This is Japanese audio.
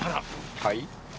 はい？